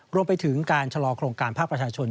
รวมไปถึงการชะลอโครงการภาคประชาชน